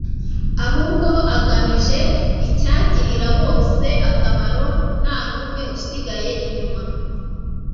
ahubwo agamije icyagirira bose akamaro, nta n'umwe usigaye inyuma